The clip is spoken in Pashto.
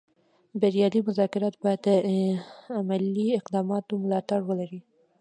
بریالي مذاکرات باید د عملي اقداماتو ملاتړ ولري